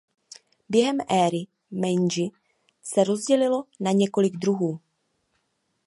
Během éry Meidži se rozdělilo na několik druhů.